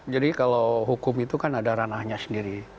jadi kalau hukum itu kan ada ranahnya sendiri